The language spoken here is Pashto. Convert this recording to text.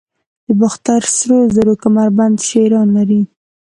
د باختر سرو زرو کمربند شیران لري